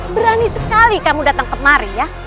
berani sekali kamu datang kemari ya